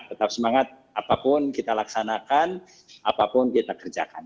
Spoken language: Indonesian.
tetap semangat apapun kita laksanakan apapun kita kerjakan